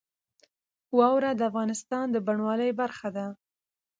واوره د افغانستان د بڼوالۍ برخه ده.